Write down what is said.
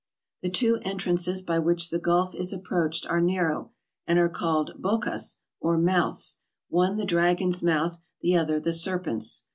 The two entrances by which the gulf is approached are narrow, and are called bocas, or mouths — one the Dragon's Mouth, the other the Serpent's.